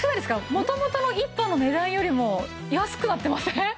元々の１本の値段よりも安くなってません？